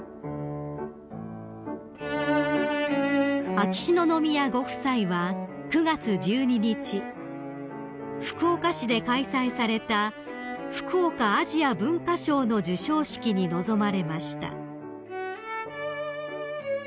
［秋篠宮ご夫妻は９月１２日福岡市で開催された福岡アジア文化賞の授賞式に臨まれました］